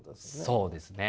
そうですね。